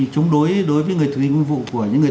chống đối đối với người thực hiện nguyên vụ của những người